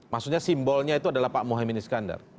maksudnya simbolnya itu adalah pak mohaimin iskandar